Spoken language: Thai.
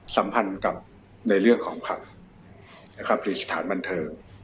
สัมพันธ์กับในเลือกของครับผลิตสถานบันเทิม